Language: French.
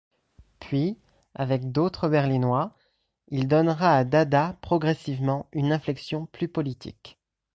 Puis, avec d'autres berlinois, il donnera à Dada, progressivement, une inflexion plus politique.